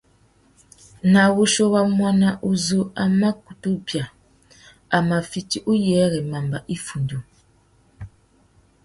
Nà wuchiô wa muaná uzu a mà kutu bia, a mà fiti uyêrê mamba iffundu.